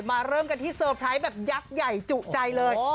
เริ่มกันที่เซอร์ไพรส์แบบยักษ์ใหญ่จุใจเลย